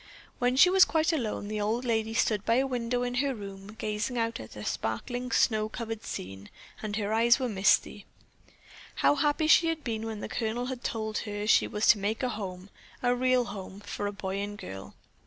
When she was quite alone, the old lady stood by a window in her room gazing out at a sparkling snow covered scene, and her eyes were misty. How happy she had been when the Colonel had told her she was to make a home, a real home, for a boy and girl.